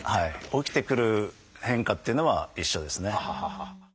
起きてくる変化っていうのは一緒ですね。